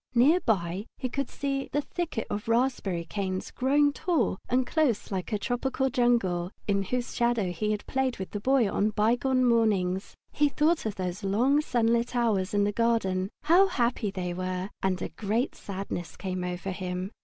Near by he could see the thicket of raspberry canes, growing tall and close like a tropical jungle, in whose shadow he had played with the Boy on bygone mornings. He thought of those long sunlit hours in the garden how happy they were and a great sadness came over him.